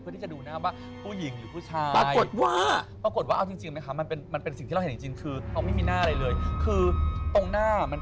เพื่อที่จะดูนะครับว่าผู้หญิงหรือผู้ชาย